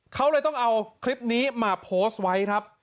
เขาเลยต้องเอาคลิปนี้มาโพสต์ไว้ครับ